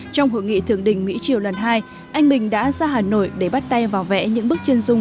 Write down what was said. trong hội nghị thượng đỉnh mỹ triều lần hai anh bình đã ra hà nội để bắt tay vào vẽ những bức chân dung